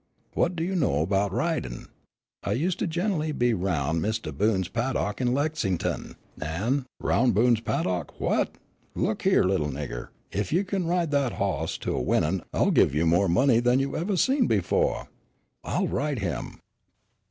"What do you know 'bout ridin'?" "I used to gin'ally be' roun' Mistah Boone's paddock in Lexington, an' " "Aroun' Boone's paddock what! Look here, little nigger, if you can ride that hoss to a winnin' I'll give you more money than you ever seen before." "I'll ride him."